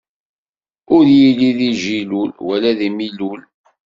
Ur illi di jillul, wala di millul.